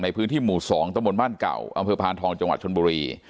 ในพื้นที่หมู่๒ตะบนบ้านเก่าอำเภอพานทองจังหวัดชนบุรี